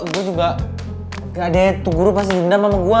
gue juga gak ada yang tunggu dulu pas di dendam sama gue